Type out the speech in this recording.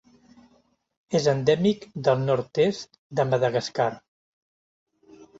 És endèmic del nord-est de Madagascar.